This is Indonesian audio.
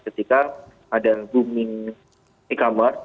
ketika ada booming e commerce